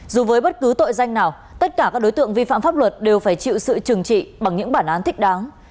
dù với bất cứ tội danh nào tất cả các đối tượng vi phạm pháp luật đều phải chịu sự trừng trị bằng những bản án thích đáng